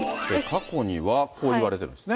過去にはこういわれているんですね。